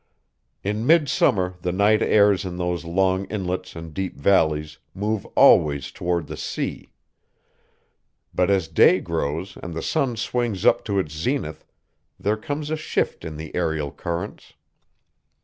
In midsummer the night airs in those long inlets and deep valleys move always toward the sea. But as day grows and the sun swings up to its zenith, there comes a shift in the aerial currents.